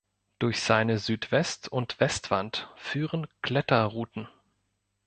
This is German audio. Durch seine Südwest- und Westwand führen Kletterrouten.